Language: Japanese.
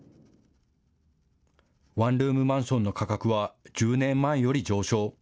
ワンルームマンションの価格は１０年前より上昇。